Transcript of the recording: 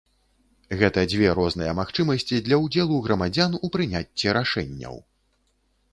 Гэта дзве розныя магчымасці для ўдзелу грамадзян у прыняцці рашэнняў.